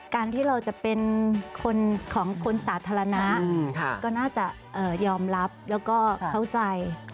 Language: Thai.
การที่เราจะเป็นคนของคนสาธารณะก็น่าจะยอมรับแล้วก็เข้าใจ